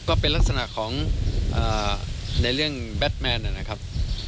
ก็เป็นลักษณะของในเรื่องแบทแมนนะครับ